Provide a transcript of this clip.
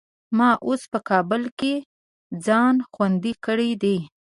ما اوس په کابل کې ځان خوندي کړی دی.